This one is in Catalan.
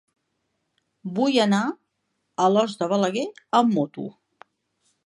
Vull anar a Alòs de Balaguer amb moto.